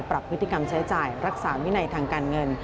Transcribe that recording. ปรับพฤติกรรมใช้จ่ายรักษาวินัยทางการเงิน